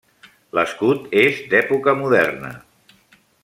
L'escut és d'època moderna.